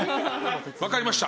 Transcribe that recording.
わかりました。